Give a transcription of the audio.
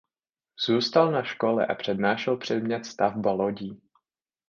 Zůstal na škole a přednášel předmět stavba lodí.